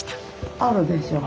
あるでしょう？